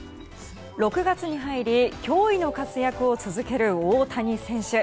６月に入り驚異の活躍を続ける大谷選手。